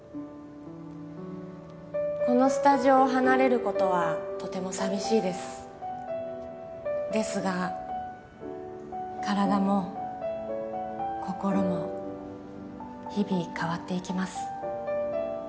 このスタジオを離れることはとても寂しいですですが体も心も日々変わっていきます